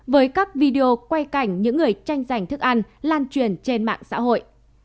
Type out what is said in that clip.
với các video quay cảnh những người tranh giành thức ăn lan truyền trên mạng xã hội